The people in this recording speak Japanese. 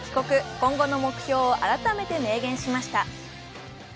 今後の目標を改めて明言しました。